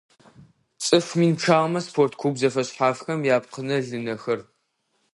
ЦӀыф мин пчъагъэмэ спорт клуб зэфэшъхьафхэм япкъынэ-лынэхэр.